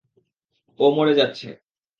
ও মরে যাচ্ছে।